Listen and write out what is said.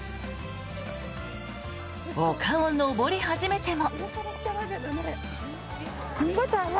丘を登り始めても。